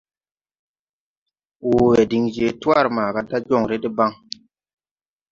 Wowe din je twar maga da jonre deban.